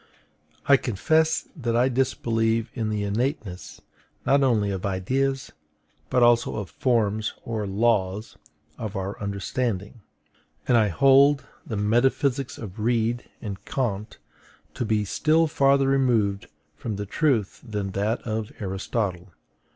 I confess that I disbelieve in the innateness, not only of IDEAS, but also of FORMS or LAWS of our understanding; and I hold the metaphysics of Reid and Kant to be still farther removed from the truth than that of Aristotle.